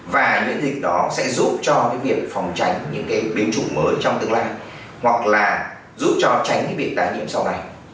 và miễn dịch đó sẽ giúp cho cái việc phòng tránh những cái biến chủng mới trong tương lai hoặc là giúp cho tránh cái việc tái nhiễm sau này